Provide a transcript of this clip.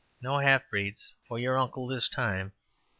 _No half breeds for your uncle this time.